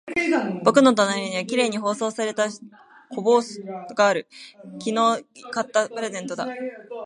僕の隣には綺麗に包装された小包がある。昨日買ったプレゼントだ。